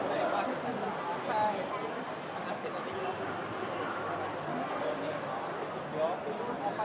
สวัสดีครับ